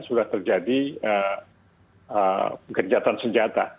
sudah terjadi kejatan senjata